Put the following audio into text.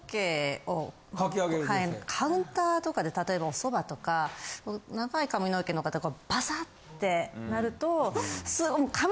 カウンターとかで例えばおそばとか長い髪の毛の方がパサってなると。